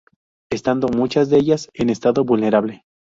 Estando muchas de ellas en estado vulnerable.